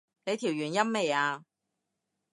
你調完音未啊？